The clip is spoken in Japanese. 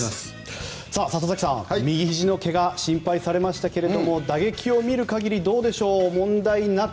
里崎さん、右ひじのけが心配されましたけど打撃を見る限り、問題なく？